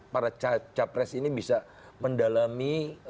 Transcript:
para capres ini bisa mendalami